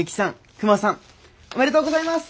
クマさんおめでとうございます！